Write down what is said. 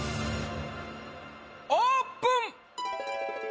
オープン！